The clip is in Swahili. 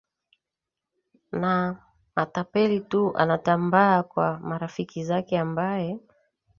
na mtapeli tu anatambaa kwa marafiki zake ambaye